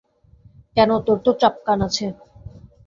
কেন, তোর তো চাপকান আছে।